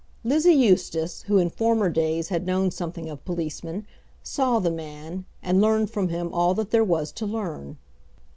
Lizzie Eustace, who in former days had known something of policemen, saw the man, and learned from him all that there was to learn.